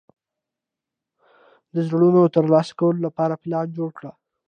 د زړونو ترلاسه کولو لپاره پلان جوړ کړ.